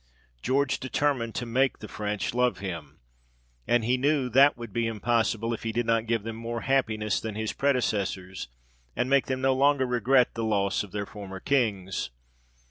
George determined to make the French love him ; and he knew that would be impossible, if he did not give them more happiness than his predecessors, and make them no longer regret the loss of their former Kings.